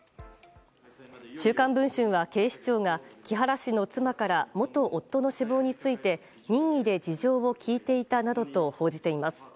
「週刊文春」は警視庁が木原氏の妻から元夫の死亡について任意で事情を聴いていたなどと報じています。